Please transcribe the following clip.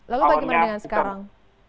lalu bagaimana dengan sekarang